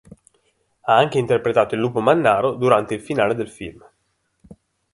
Ha anche interpretato il lupo mannaro durante il finale del film.